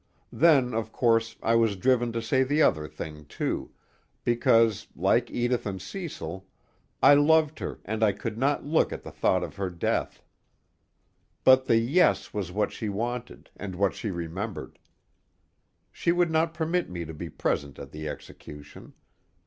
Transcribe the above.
Then of course I was driven to say the other thing too, because, like Edith and Cecil, I loved her and I could not look at the thought of her death. But the yes was what she wanted and what she remembered. She would not permit me to be present at the execution.